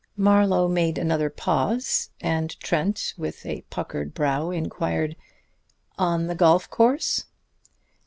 Marlowe made another pause, and Trent, with a puckered brow, inquired: "On the golf course?"